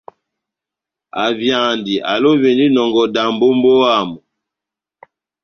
Avyandi, alovindi inɔngɔ dambo ó mbówa yamu.